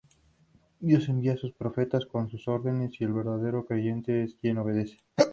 Dios envía sus profetas con sus órdenes y el verdadero creyente es quien obedece.